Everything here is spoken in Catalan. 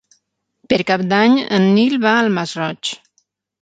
Per Cap d'Any en Nil va al Masroig.